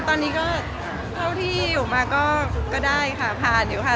ตอนนี้ก็เท่าที่อยู่มาก็ได้ค่ะผ่านอยู่ค่ะ